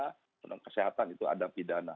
tentang kesehatan itu ada pidana